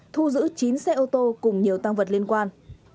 thu giữ chín xe ô tô cùng nhiều tăng vật liên quan